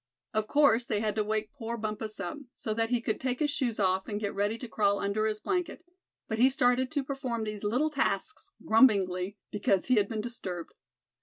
Of course they had to wake poor Bumpus up, so that he could take his shoes off, and get ready to crawl under his blanket; but he started to perform these little tasks grumblingly, because he had been disturbed.